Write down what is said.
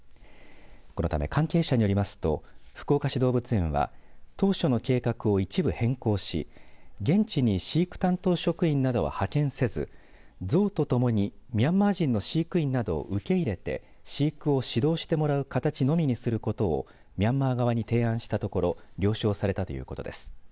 このため関係者によりますと福岡市動物園は当初の計画を一部変更し現地に飼育担当職員などは派遣せず象と共にミャンマー人の飼育員などを受け入れて飼育を指導してもらう形のみにすることをミャンマー側に提案したところ了承されたということです。